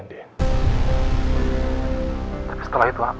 tapi setelah itu apa